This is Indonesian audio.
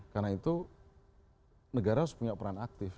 karena itu negara harus punya peran aktif